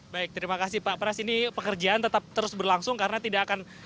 baik terima kasih pak pras ini pekerjaan tetap terus berlangsung karena tidak akan